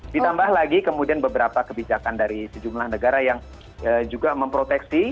ditambah lagi kemudian beberapa kebijakan dari sejumlah negara yang juga memproteksi